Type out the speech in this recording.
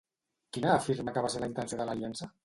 Quina afirma que va ser la intenció de l'aliança?